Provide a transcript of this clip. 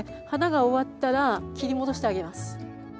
花が終わったら切り戻してあげます。